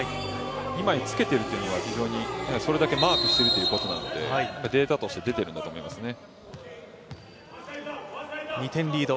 二枚つけているというのがそれだけマークしているということなのでデータとして出ているんだと思いますね。